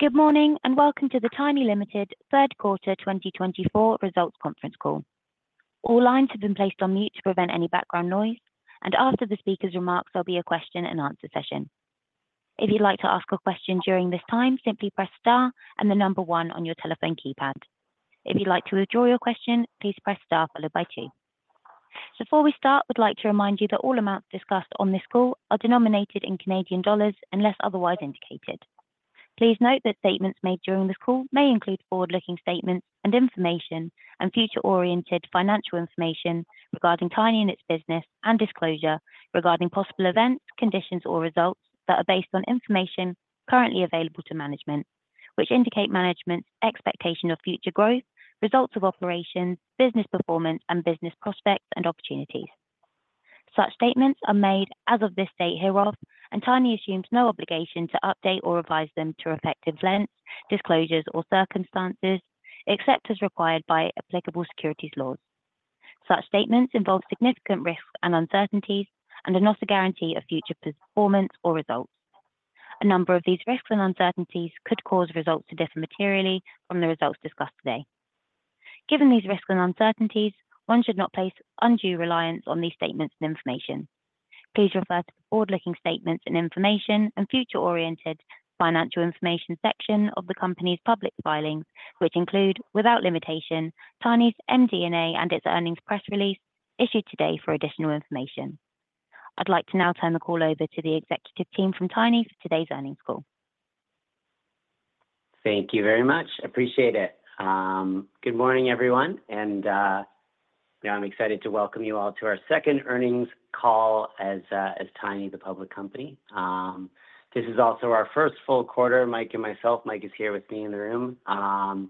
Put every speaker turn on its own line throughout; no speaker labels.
Good morning and welcome to the Tiny Limited, Third Quarter 2024, Results Conference Call. All lines have been placed on mute to prevent any background noise, and after the speaker's remarks, there'll be a question-and-answer session. If you'd like to ask a question during this time, simply press star and the number one on your telephone keypad. If you'd like to withdraw your question, please press star followed by two. Before we start, we'd like to remind you that all amounts discussed on this call are denominated in Canadian dollars unless otherwise indicated. Please note that statements made during this call may include forward-looking statements and information and future-oriented financial information regarding Tiny and its business, and disclosure regarding possible events, conditions, or results that are based on information currently available to management, which indicate management's expectation of future growth, results of operations, business performance, and business prospects and opportunities. Such statements are made as of this date hereof, and Tiny assumes no obligation to update or revise them to reflect events, disclosures, or circumstances, except as required by applicable securities laws. Such statements involve significant risks and uncertainties and are not a guarantee of future performance or results. A number of these risks and uncertainties could cause results to differ materially from the results discussed today. Given these risks and uncertainties, one should not place undue reliance on these statements and information. Please refer to the forward-looking statements and information and future-oriented financial information section of the company's public filings, which include, without limitation, Tiny's MD&A and its earnings press release issued today for additional information. I'd like to now turn the call over to the executive team from Tiny for today's earnings call.
Thank you very much. Appreciate it. Good morning, everyone. I'm excited to welcome you all to our second earnings call as Tiny the public company. This is also our first full quarter, Mike and myself. Mike is here with me in the room. Our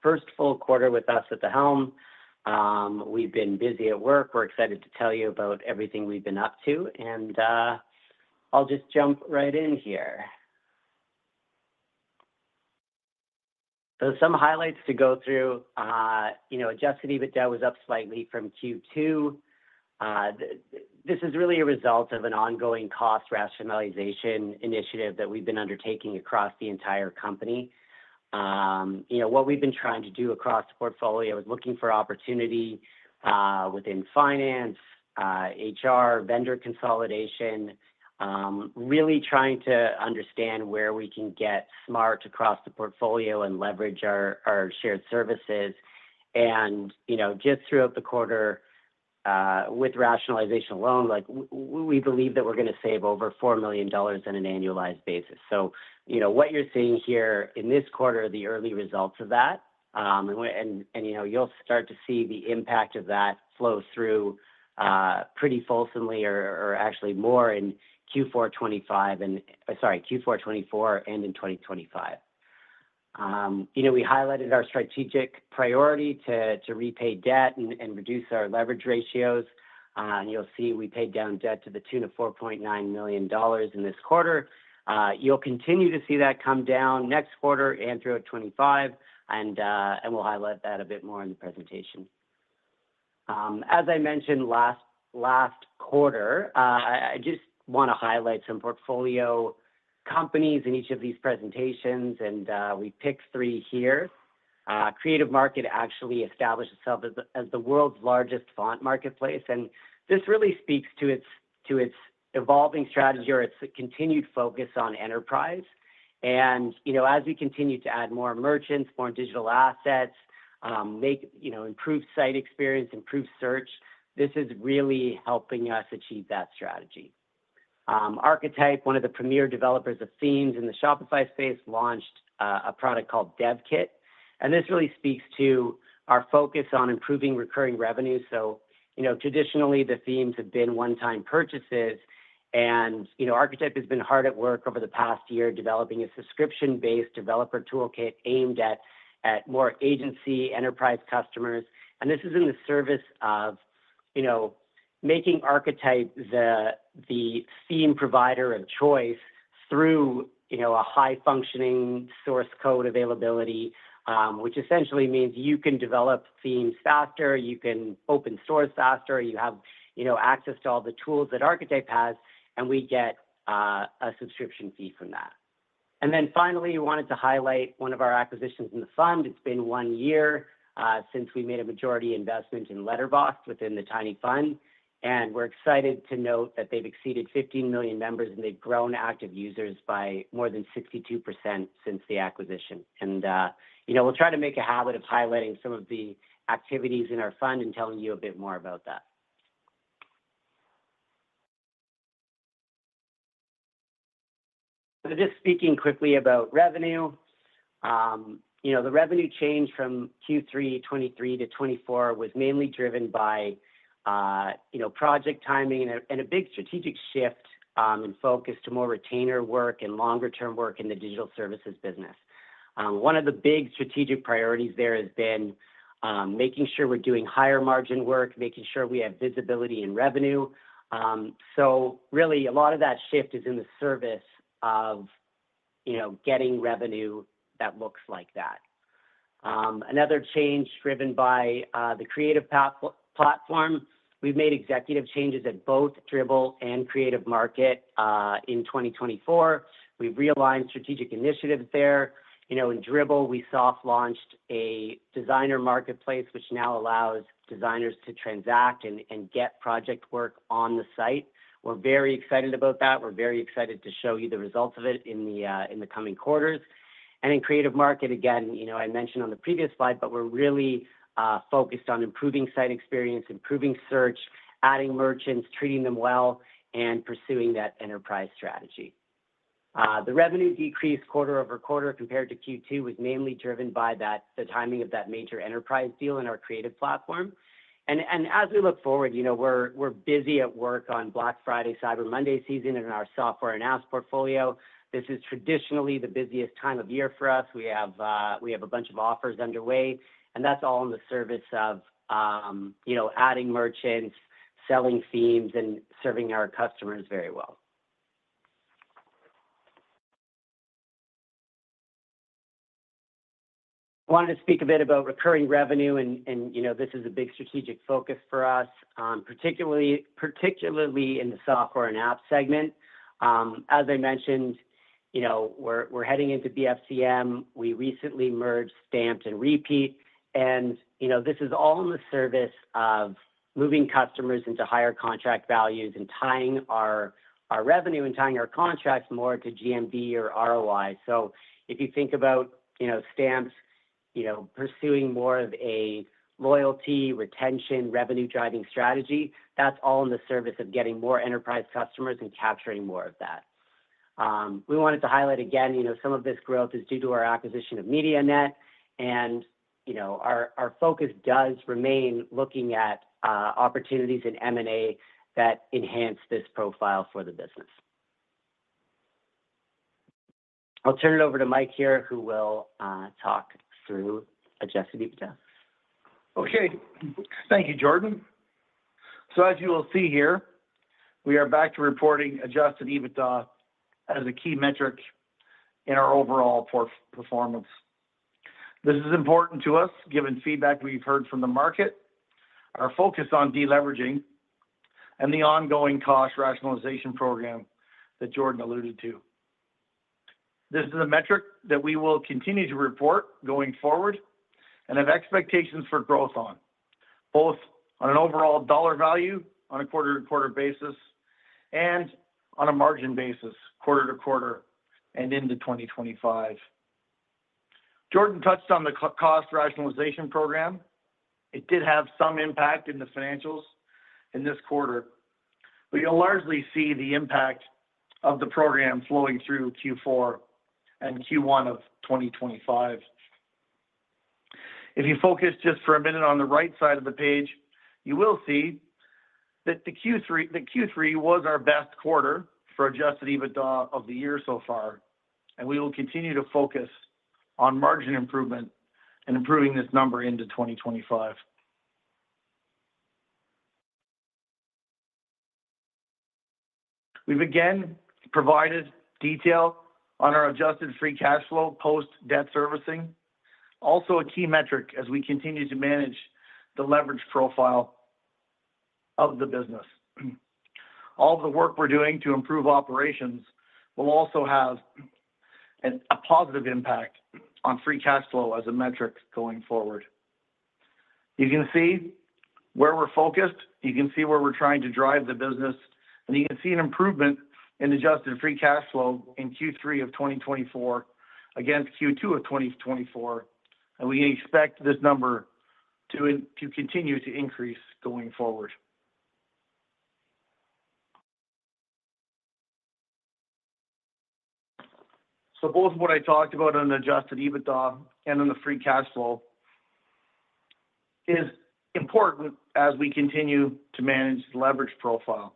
first full quarter with us at the helm. We've been busy at work. We're excited to tell you about everything we've been up to. I'll just jump right in here. There's some highlights to go through. Adjusted EBITDA was up slightly from Q2. This is really a result of an ongoing cost rationalization initiative that we've been undertaking across the entire company. What we've been trying to do across the portfolio is looking for opportunity within finance, HR, vendor consolidation, really trying to understand where we can get smart across the portfolio and leverage our shared services. Just throughout the quarter, with rationalization alone, we believe that we're going to save over 4 million dollars on an annualized basis. What you're seeing here in this quarter are the early results of that. You'll start to see the impact of that flow through pretty fulsomely, or actually more, in Q4 2025 and sorry, Q4 2024 and in 2025. We highlighted our strategic priority to repay debt and reduce our leverage ratios. You'll see we paid down debt to the tune of 4.9 million dollars in this quarter. You'll continue to see that come down next quarter and throughout 2025. We'll highlight that a bit more in the presentation. As I mentioned last quarter, I just want to highlight some portfolio companies in each of these presentations. We picked three here. Creative Market actually established itself as the world's largest font marketplace. This really speaks to its evolving strategy or its continued focus on enterprise. As we continue to add more merchants, more digital assets, improve site experience, improve search, this is really helping us achieve that strategy. Archetype, one of the premier developers of themes in the Shopify space, launched a product called DevKit. This really speaks to our focus on improving recurring revenue. Traditionally, the themes have been one-time purchases. Archetype has been hard at work over the past year developing a subscription-based developer toolkit aimed at more agency enterprise customers. This is in the service of making Archetype the theme provider of choice through a high-functioning source code availability, which essentially means you can develop themes faster, you can open source faster, you have access to all the tools that Archetype has, and we get a subscription fee from that. And then finally, we wanted to highlight one of our acquisitions in the fund. It's been one year since we made a majority investment in Letterboxd within the Tiny Fund. And we're excited to note that they've exceeded 15 million members and they've grown active users by more than 62% since the acquisition. And we'll try to make a habit of highlighting some of the activities in our fund and telling you a bit more about that. Just speaking quickly about revenue, the revenue change from Q3 2023 to 2024 was mainly driven by project timing and a big strategic shift in focus to more retainer work and longer-term work in the digital services business. One of the big strategic priorities there has been making sure we're doing higher margin work, making sure we have visibility in revenue. So really, a lot of that shift is in the service of getting revenue that looks like that. Another change driven by the Creative Platform. We've made executive changes at both Dribbble and Creative Market in 2024. We've realigned strategic initiatives there. In Dribbble, we soft-launched a designer marketplace, which now allows designers to transact and get project work on the site. We're very excited about that. We're very excited to show you the results of it in the coming quarters, and in Creative Market, again, I mentioned on the previous slide, but we're really focused on improving site experience, improving search, adding merchants, treating them well, and pursuing that enterprise strategy. The revenue decrease quarter over quarter compared to Q2 was mainly driven by the timing of that major enterprise deal in our Creative Platform. As we look forward, we're busy at work on Black Friday, Cyber Monday season, and our software and apps portfolio. This is traditionally the busiest time of year for us. We have a bunch of offers underway. That's all in the service of adding merchants, selling themes, and serving our customers very well. I wanted to speak a bit about recurring revenue. This is a big strategic focus for us, particularly in the software and apps segment. As I mentioned, we're heading into BFCM. We recently merged Stamped and Repeat. This is all in the service of moving customers into higher contract values and tying our revenue and tying our contracts more to GMV or ROI. So if you think about Stamped pursuing more of a loyalty, retention, revenue-driving strategy, that's all in the service of getting more enterprise customers and capturing more of that. We wanted to highlight, again, some of this growth is due to our acquisition of MediaNet, and our focus does remain looking at opportunities in M&A that enhance this profile for the business. I'll turn it over to Mike here, who will talk through Adjusted EBITDA.
Okay. Thank you, Jordan. So as you will see here, we are back to reporting Adjusted EBITDA as a key metric in our overall performance. This is important to us given feedback we've heard from the market, our focus on deleveraging, and the ongoing cost rationalization program that Jordan alluded to. This is a metric that we will continue to report going forward and have expectations for growth on, both on an overall dollar value on a quarter-to-quarter basis and on a margin basis quarter to quarter and into 2025. Jordan touched on the cost rationalization program. It did have some impact in the financials in this quarter. But you'll largely see the impact of the program flowing through Q4 and Q1 of 2025. If you focus just for a minute on the right side of the page, you will see that Q3 was our best quarter for Adjusted EBITDA of the year so far, and we will continue to focus on margin improvement and improving this number into 2025. We've again provided detail on our Adjusted Free Cash Flow post-debt servicing, also a key metric as we continue to manage the leverage profile of the business. All of the work we're doing to improve operations will also have a positive impact on free cash flow as a metric going forward. You can see where we're focused. You can see where we're trying to drive the business, and you can see an improvement in Adjusted Free Cash Flow in Q3 of 2024 against Q2 of 2024, and we expect this number to continue to increase going forward. Both what I talked about on Adjusted EBITDA and on the free cash flow is important as we continue to manage the leverage profile.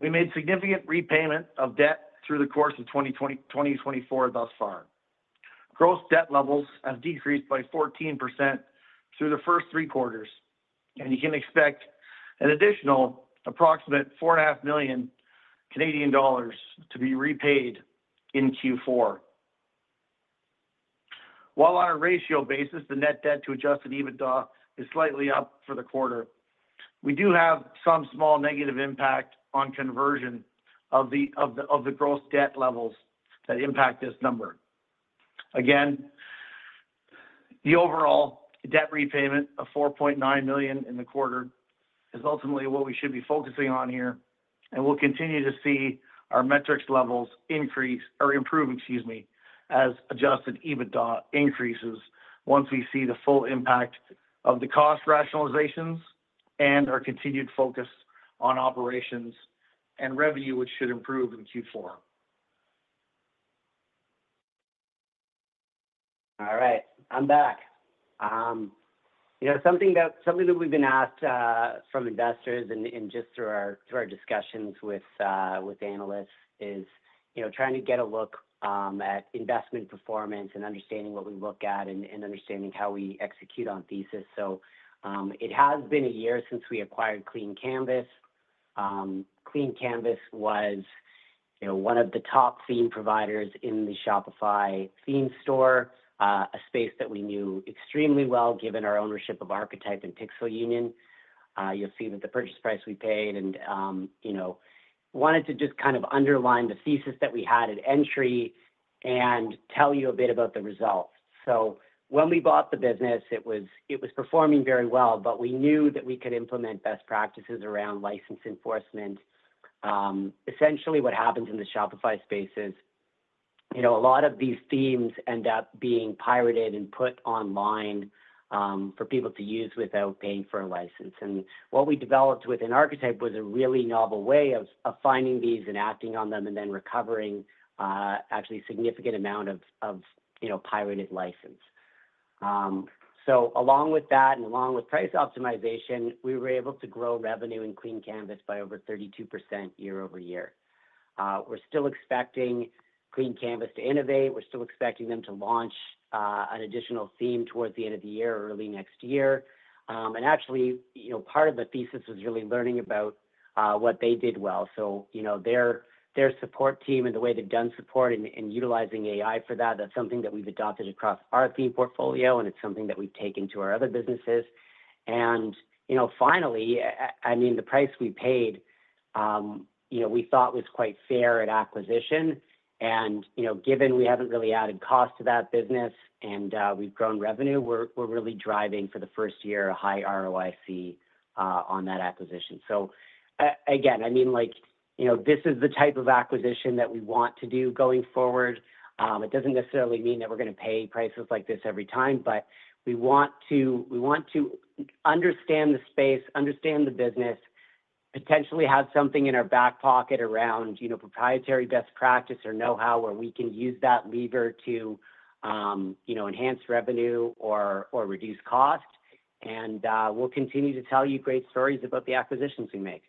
We made significant repayment of debt through the course of 2024 thus far. Gross debt levels have decreased by 14% through the first three quarters. You can expect an additional approximate 4.5 million Canadian dollars to be repaid in Q4. While on a ratio basis, the net debt to Adjusted EBITDA is slightly up for the quarter, we do have some small negative impact on conversion of the gross debt levels that impact this number. Again, the overall debt repayment of 4.9 million in the quarter is ultimately what we should be focusing on here. We'll continue to see our metrics levels increase or improve, excuse me, as Adjusted EBITDA increases once we see the full impact of the cost rationalizations and our continued focus on operations and revenue, which should improve in Q4.
All right. I'm back. Something that we've been asked from investors and just through our discussions with analysts is trying to get a look at investment performance and understanding what we look at and understanding how we execute on thesis. So it has been a year since we acquired Clean Canvas. Clean Canvas was one of the top theme providers in the Shopify Theme Store, a space that we knew extremely well given our ownership of Archetype and Pixel Union. You'll see that the purchase price we paid. And I wanted to just kind of underline the thesis that we had at entry and tell you a bit about the results. So when we bought the business, it was performing very well. But we knew that we could implement best practices around license enforcement. Essentially, what happens in the Shopify space is a lot of these themes end up being pirated and put online for people to use without paying for a license. And what we developed within Archetype was a really novel way of finding these and acting on them and then recovering actually a significant amount of pirated license. So along with that and along with price optimization, we were able to grow revenue in Clean Canvas by over 32% year over year. We're still expecting Clean Canvas to innovate. We're still expecting them to launch an additional theme towards the end of the year or early next year. And actually, part of the thesis was really learning about what they did well. So their support team and the way they've done support and utilizing AI for that, that's something that we've adopted across our theme portfolio. And it's something that we've taken to our other businesses. And finally, I mean, the price we paid, we thought was quite fair at acquisition. And given we haven't really added cost to that business and we've grown revenue, we're really driving for the first year a high ROIC on that acquisition. So again, I mean, this is the type of acquisition that we want to do going forward. It doesn't necessarily mean that we're going to pay prices like this every time. But we want to understand the space, understand the business, potentially have something in our back pocket around proprietary best practice or know-how where we can use that lever to enhance revenue or reduce cost. And we'll continue to tell you great stories about the acquisitions we make.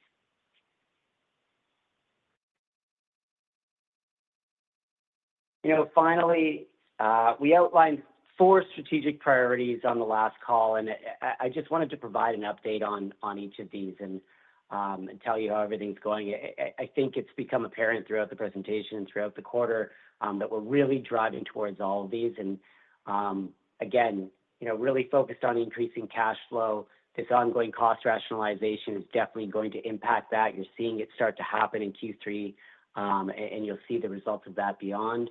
Finally, we outlined four strategic priorities on the last call. I just wanted to provide an update on each of these and tell you how everything's going. I think it's become apparent throughout the presentation and throughout the quarter that we're really driving towards all of these. Again, really focused on increasing cash flow. This ongoing cost rationalization is definitely going to impact that. You're seeing it start to happen in Q3. You'll see the results of that beyond.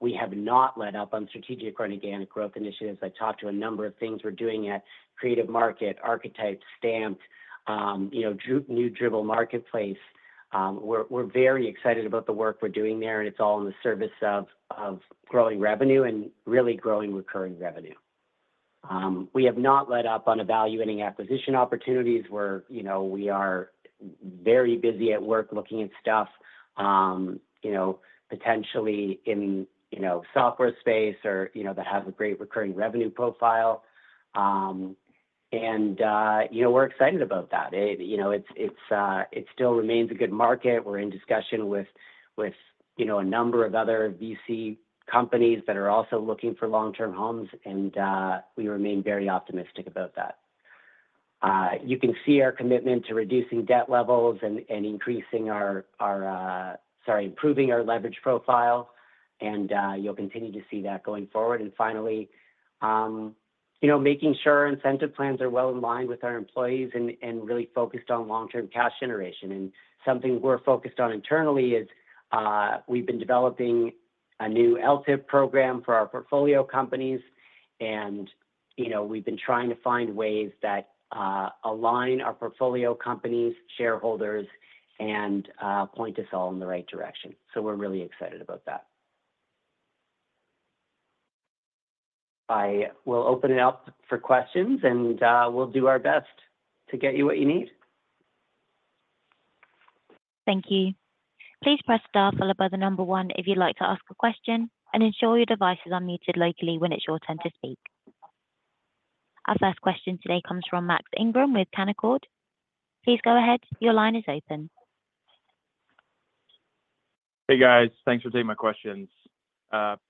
We have not let up on strategic organic growth initiatives. I talked to a number of things we're doing at Creative Market, Archetype, Stamped, new Dribbble Marketplace. We're very excited about the work we're doing there. It's all in the service of growing revenue and really growing recurring revenue. We have not let up on evaluating acquisition opportunities. We are very busy at work looking at stuff potentially in the software space or that have a great recurring revenue profile. And we're excited about that. It still remains a good market. We're in discussion with a number of other VC companies that are also looking for long-term homes. And we remain very optimistic about that. You can see our commitment to reducing debt levels and increasing our - sorry, improving our leverage profile. And you'll continue to see that going forward. And finally, making sure incentive plans are well aligned with our employees and really focused on long-term cash generation. And something we're focused on internally is we've been developing a new LTIP program for our portfolio companies. And we've been trying to find ways that align our portfolio companies, shareholders, and point us all in the right direction. So we're really excited about that. I will open it up for questions, and we'll do our best to get you what you need.
Thank you. Please press star followed by the number one if you'd like to ask a question. And ensure your device is unmuted locally when it's your turn to speak. Our first question today comes from Max Ingram with Canaccord. Please go ahead. Your line is open.
Hey, guys. Thanks for taking my questions.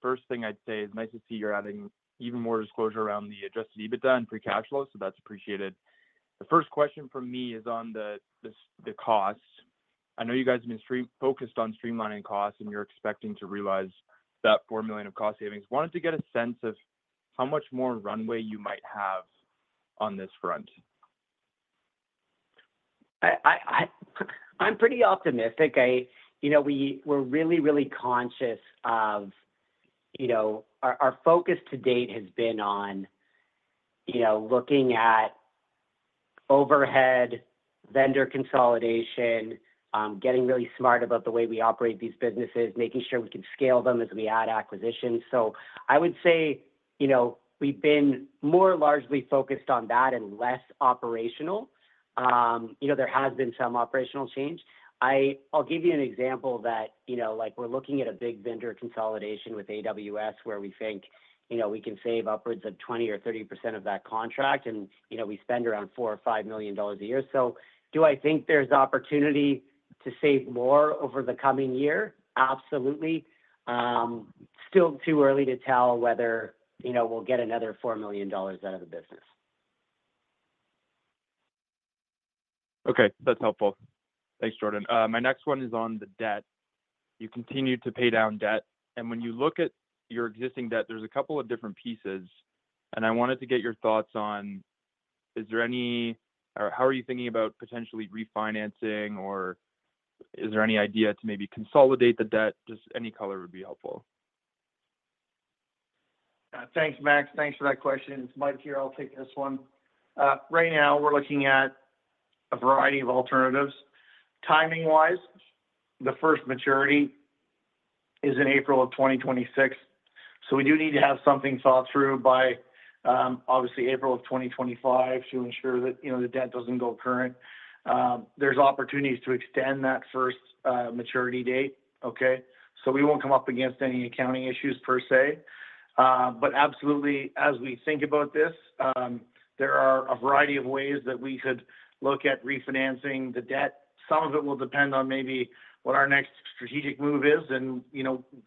First thing I'd say is nice to see you're adding even more disclosure around the Adjusted EBITDA and free cash flow. So that's appreciated. The first question for me is on the cost. I know you guys have been focused on streamlining costs and you're expecting to realize that $4 million of cost savings. Wanted to get a sense of how much more runway you might have on this front.
I'm pretty optimistic. We're really, really conscious of our focus to date has been on looking at overhead, vendor consolidation, getting really smart about the way we operate these businesses, making sure we can scale them as we add acquisitions. So I would say we've been more largely focused on that and less operational. There has been some operational change. I'll give you an example that we're looking at a big vendor consolidation with AWS where we think we can save upwards of 20%-30% of that contract. And we spend around 4 million-5 million dollars a year. So do I think there's opportunity to save more over the coming year? Absolutely. Still too early to tell whether we'll get another 4 million dollars out of the business.
Okay. That's helpful. Thanks, Jordan. My next one is on the debt. You continue to pay down debt. And when you look at your existing debt, there's a couple of different pieces. And I wanted to get your thoughts on, is there any, or how are you thinking about potentially refinancing? Or is there any idea to maybe consolidate the debt? Just any color would be helpful.
Thanks, Max. Thanks for that question. It's Mike here. I'll take this one. Right now, we're looking at a variety of alternatives. Timing-wise, the first maturity is in April of 2026. So we do need to have something thought through by, obviously, April of 2025 to ensure that the debt doesn't go current. There's opportunities to extend that first maturity date, okay? So we won't come up against any accounting issues per se. But absolutely, as we think about this, there are a variety of ways that we could look at refinancing the debt. Some of it will depend on maybe what our next strategic move is and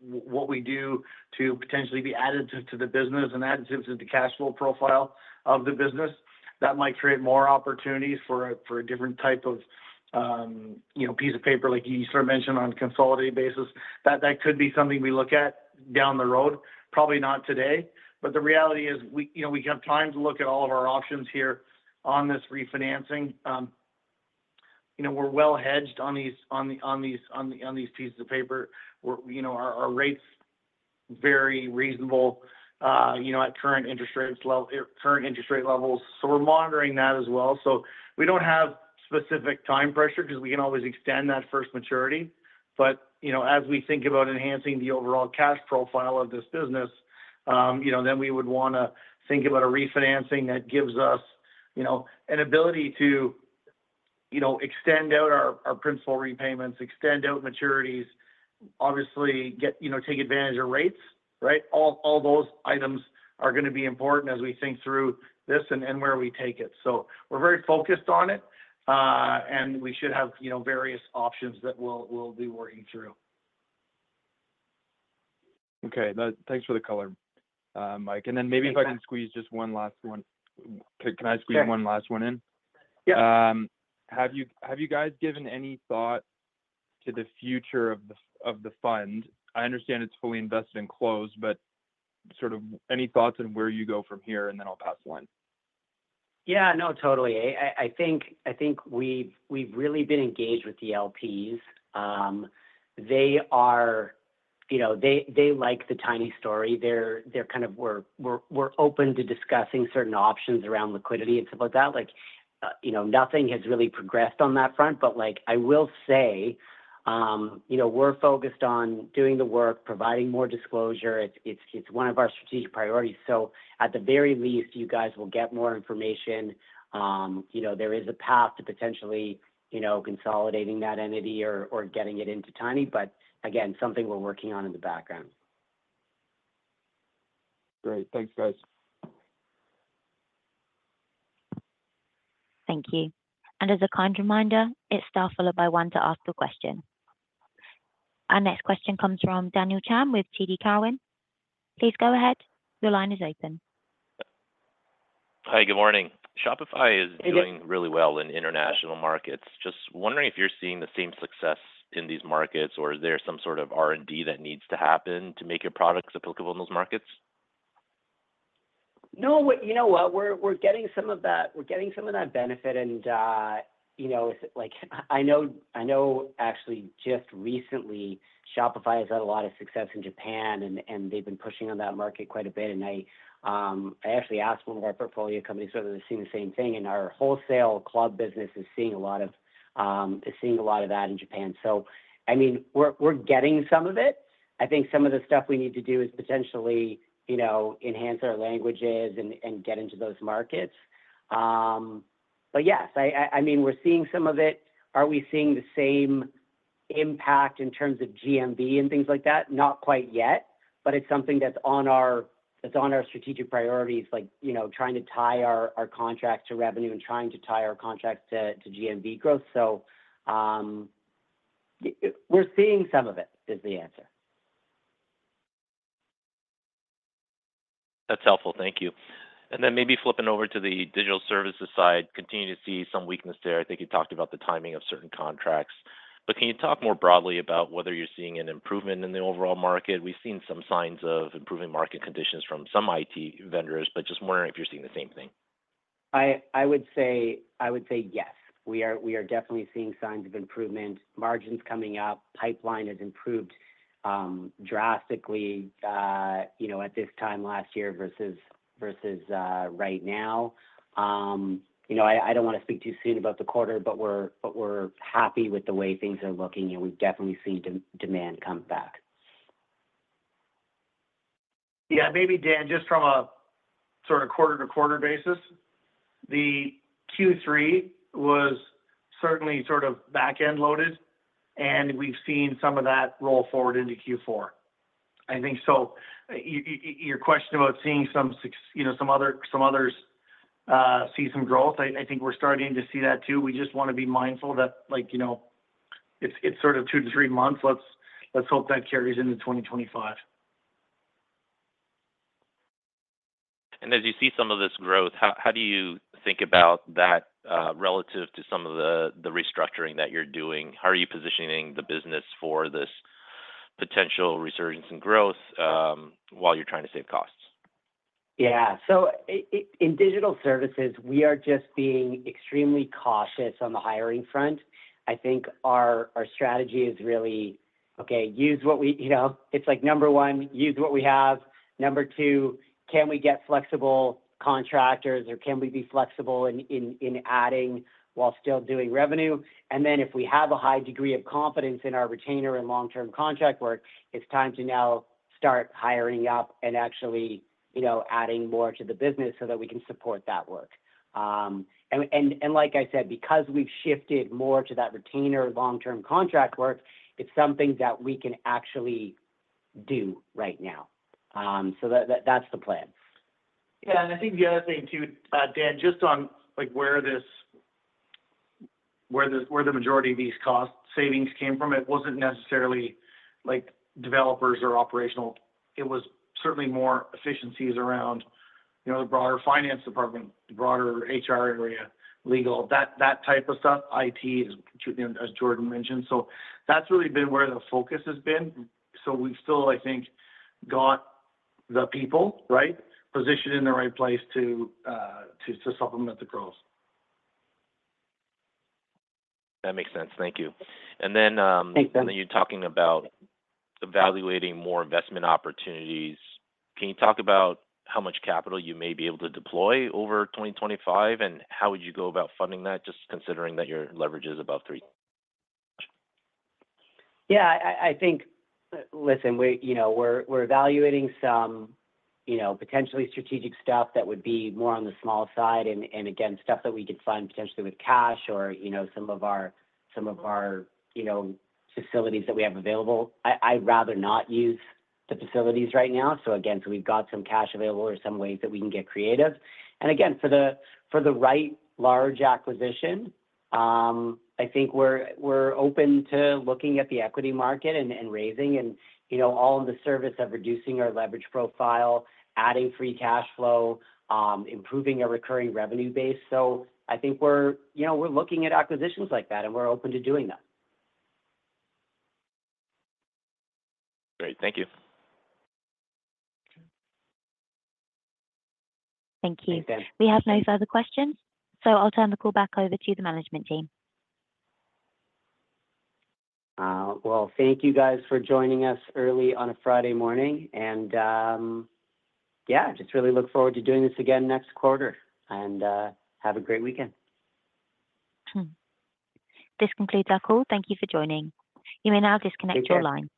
what we do to potentially be additive to the business and additive to the cash flow profile of the business. That might create more opportunities for a different type of piece of paper, like you sort of mentioned, on a consolidated basis. That could be something we look at down the road. Probably not today. But the reality is we have time to look at all of our options here on this refinancing. We're well hedged on these pieces of paper. Our rates are very reasonable at current interest rate levels. So we're monitoring that as well. So we don't have specific time pressure because we can always extend that first maturity. But as we think about enhancing the overall cash profile of this business, then we would want to think about a refinancing that gives us an ability to extend out our principal repayments, extend out maturities, obviously take advantage of rates, right? All those items are going to be important as we think through this and where we take it. So we're very focused on it. And we should have various options that we'll be working through.
Okay. Thanks for the color, Mike. And then maybe if I can squeeze just one last one, can I squeeze one last one in?
Yeah.
Have you guys given any thought to the future of the fund? I understand it's fully invested and closed, but sort of any thoughts on where you go from here, and then I'll pass the line.
Yeah. No, totally. I think we've really been engaged with the LPs. They like the Tiny story. They're kind of, we're open to discussing certain options around liquidity and stuff like that. Nothing has really progressed on that front. But I will say we're focused on doing the work, providing more disclosure. It's one of our strategic priorities. So at the very least, you guys will get more information. There is a path to potentially consolidating that entity or getting it into Tiny. But again, something we're working on in the background.
Great. Thanks, guys.
Thank you. And as a kind reminder, it's star followed by one to ask a question. Our next question comes from Daniel Chan with TD Cowen. Please go ahead. Your line is open.
Hi, good morning. Shopify is doing really well in international markets. Just wondering if you're seeing the same success in these markets, or is there some sort of R&D that needs to happen to make your products applicable in those markets?
No. You know what? We're getting some of that. We're getting some of that benefit. And I know actually just recently, Shopify has had a lot of success in Japan. And they've been pushing on that market quite a bit. And I actually asked one of our portfolio companies whether they've seen the same thing. And our Wholesale Club business is seeing a lot of that in Japan. So I mean, we're getting some of it. I think some of the stuff we need to do is potentially enhance our languages and get into those markets. But yes, I mean, we're seeing some of it. Are we seeing the same impact in terms of GMV and things like that? Not quite yet. But it's something that's on our strategic priorities, like trying to tie our contracts to revenue and trying to tie our contracts to GMV growth. So we're seeing some of it is the answer.
That's helpful. Thank you. And then maybe flipping over to the digital services side, continue to see some weakness there. I think you talked about the timing of certain contracts. But can you talk more broadly about whether you're seeing an improvement in the overall market? We've seen some signs of improving market conditions from some IT vendors. But just wondering if you're seeing the same thing?
I would say yes. We are definitely seeing signs of improvement. Margins coming up. Pipeline has improved drastically at this time last year versus right now. I don't want to speak too soon about the quarter, but we're happy with the way things are looking, and we've definitely seen demand come back.
Yeah. Maybe, Dan, just from a sort of quarter-to-quarter basis. The Q3 was certainly sort of back-end loaded, and we've seen some of that roll forward into Q4. I think so. Your question about seeing some others see some growth, I think we're starting to see that too. We just want to be mindful that it's sort of two to three months. Let's hope that carries into 2025.
As you see some of this growth, how do you think about that relative to some of the restructuring that you're doing? How are you positioning the business for this potential resurgence in growth while you're trying to save costs?
Yeah, so in digital services, we are just being extremely cautious on the hiring front. I think our strategy is really, okay, use what we, it's like number one, use what we have. Number two, can we get flexible contractors? Or can we be flexible in adding while still doing revenue? And then if we have a high degree of confidence in our retainer and long-term contract work, it's time to now start hiring up and actually adding more to the business so that we can support that work. And like I said, because we've shifted more to that retainer long-term contract work, it's something that we can actually do right now. So that's the plan.
Yeah. And I think the other thing too, Dan, just on where the majority of these cost savings came from, it wasn't necessarily developers or operational. It was certainly more efficiencies around the broader finance department, the broader HR area, legal, that type of stuff, IT, as Jordan mentioned. So that's really been where the focus has been. So we've still, I think, got the people, right, positioned in the right place to supplement the growth.
That makes sense. Thank you. And then you're talking about evaluating more investment opportunities. Can you talk about how much capital you may be able to deploy over 2025? And how would you go about funding that, just considering that your leverage is above three?
Yeah. I think, listen, we're evaluating some potentially strategic stuff that would be more on the small side. And again, stuff that we could fund potentially with cash or some of our facilities that we have available. I'd rather not use the facilities right now. So again, so we've got some cash available or some ways that we can get creative. And again, for the right large acquisition, I think we're open to looking at the equity market and raising and all in the service of reducing our leverage profile, adding free cash flow, improving our recurring revenue base. So I think we're looking at acquisitions like that. And we're open to doing that.
Great. Thank you.
Thank you.
Thanks, Dan.
We have no further questions. So I'll turn the call back over to the management team.
Well, thank you guys for joining us early on a Friday morning. And yeah, just really look forward to doing this again next quarter. And have a great weekend.
This concludes our call. Thank you for joining. You may now disconnect your line.